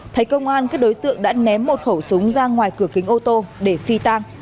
thấy công an các đối tượng đã ném một khẩu súng ra ngoài cửa kính ô tô để phi tang